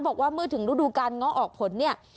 บอกว่าเมื่อถึงฤดูการเงาะออกผลเนี่ย